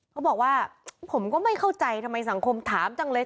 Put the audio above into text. เขาบอกว่าผมก็ไม่เข้าใจทำไมสังคมถามจังเลย